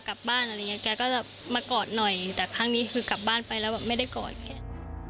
กลับบ้านไปแล้วไม่ได้กลัวอีกแค่นั้น